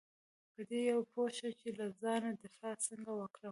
په دې پوه شه چې له ځانه دفاع څنګه وکړم .